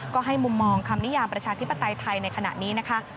ก็ให้มุมมองคำนิยามประชาธิปไตยไทยในขณะนี้นะคะ